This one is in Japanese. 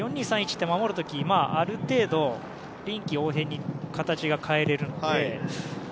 ４−２−３−１って、守る時ある程度、臨機応変に形を変えられるので。